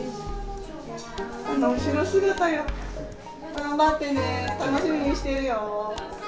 頑張ってね、楽しみにしてるよ。